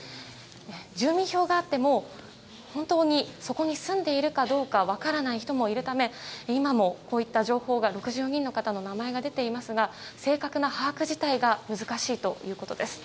住民票があっても本当にそこに住んでいるか分からない人もいるため今もこういった情報が６４人の方の名前が出ていますが正確な把握自体が難しいということです。